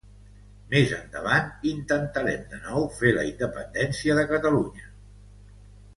Més endavant intentarem de nou fer la independència de Catalunya.